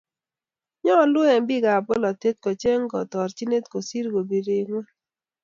nyooluu eng biikab bolotee kocheny kaatorchinet kosiir kobire ng'weny.